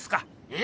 え？